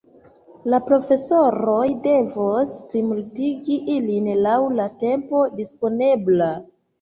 La profesoroj devos plimultigi ilin laŭ la tempo disponebla.